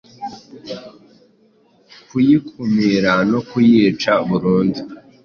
kuyikumira no kuyica burundu.